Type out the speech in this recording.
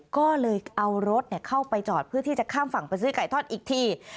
ก็เลยเอารถเข้าไปจอดเพื่อที่จะข้ามฝั่งไปซื้อไก่ทอดอีกที